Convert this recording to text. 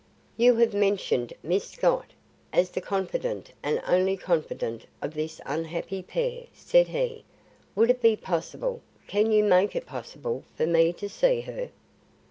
"You have mentioned Miss Scott, as the confidante and only confidante of this unhappy pair," said he. "Would it be possible can you make it possible for me to see her?"